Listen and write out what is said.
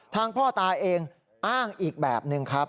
พ่อตาเองอ้างอีกแบบหนึ่งครับ